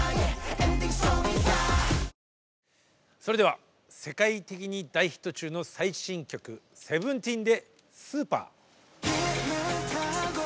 それでは世界的に大ヒット中の最新曲ＳＥＶＥＮＴＥＥＮで「Ｓｕｐｅｒ」。